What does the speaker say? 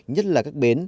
nhất là các bến